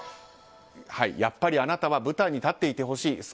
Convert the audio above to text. やっぱりあなたは舞台に立っていてほしい。